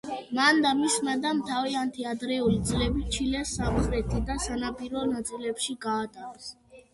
მან და მისმა დამ თავიანთი ადრეული წლები ჩილეს სამხრეთი და სანაპირო ნაწილში გაატარეს.